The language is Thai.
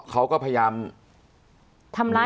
เขาก็พยายาม